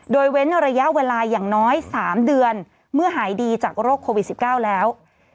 โดยเว้นระยะเวลาอย่างน้อย๓เดือนเมื่อหายดีจากโรคโควิด๑๙แล้ว